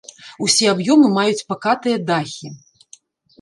Усе аб'ёмы маюць пакатыя дахі.